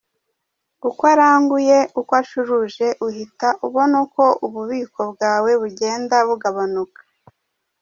Uko aranguye, uko acuruje uhita ubona uko ububiko bwawe bugenda bugabanuka.